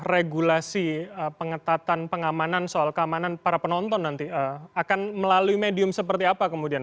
regulasi pengetatan pengamanan soal keamanan para penonton nanti akan melalui medium seperti apa kemudian